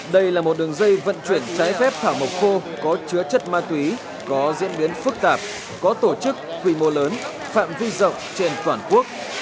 đây là một đường dây vận chuyển trái phép thảo mộc khô có chứa chất ma túy có diễn biến phức tạp có tổ chức quy mô lớn phạm vi rộng trên toàn quốc